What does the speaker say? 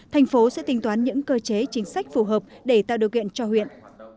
thành phố sẽ tinh toán những cơ chế chính sách phù hợp để tạo điều kiện cho huyện